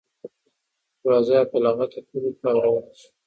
دروازه یې په لغته پورې کړه او روان شو.